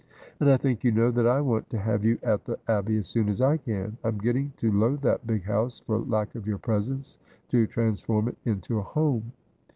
' And I think you know that I want to have you at the Abbey as soon as I can. I am getting to loathe that big house, for lack of your presence to transform it into a home.